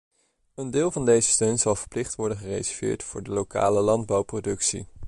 Een deel van deze steun zal verplicht worden gereserveerd voor de lokale landbouwproductie.